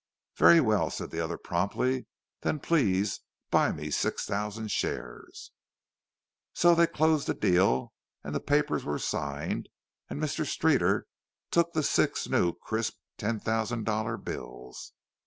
"Very well," said the other promptly. "Then please buy me six thousand shares." So they closed the deal, and the papers were signed, and Mr. Streeter took the six new, crisp ten thousand dollar bills.